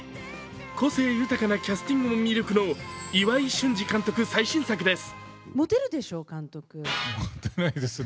個性豊かなキャスティングも魅力の岩井俊二監督最新作です。